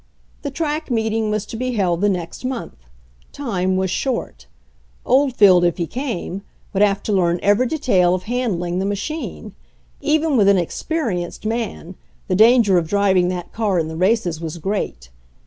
The track meeting was to be held the next month. Time was short. Oldfield, if he came, would have to learn every detail of handling the machine. Even with an experienced man, the danger of driving that car in the races was great.